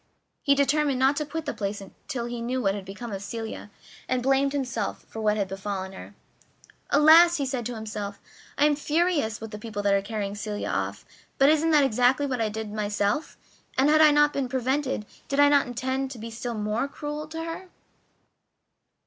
He determined not to quit the place till he knew what had become of Celia, and blamed himself for what had befallen her. "Alas!" he said to himself, "I am furious with the people who are carrying Celia off, but isn't that exactly what I did myself, and if I had not been prevented did I not intend to be still more cruel to her?"